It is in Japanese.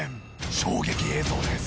衝撃映像です。